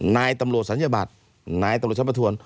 นายตำรวจศัลยบัตรนายตำรวจชั้นประทวน